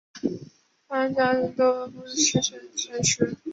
氨甲环酸能够显着降低经血过多妇女的血量损失。